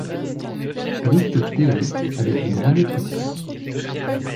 Rupture théorique avec le droit naturel.